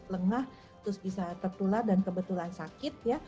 lengah terus bisa tertular dan kebetulan sakit